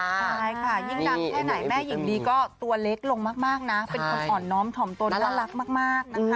ใช่ค่ะยิ่งดังแทนแม่หญิงดีก็ตัวเล็กลงมากนะ